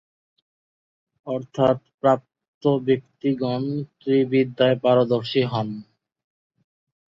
অর্থাৎ প্রাপ্ত ব্যক্তিগণ ত্রিবিদ্যায় পারদর্শী হন।